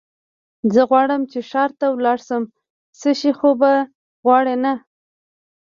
زه غواړم چې ښار ته ولاړ شم، څه شی خو به غواړې نه؟